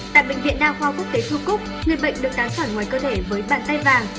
tại bệnh viện đa khoa quốc tế thu cúc người bệnh được tán sỏi ngoài cơ thể với bàn tay vàng